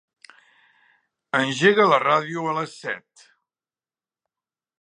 Engega la ràdio a les set.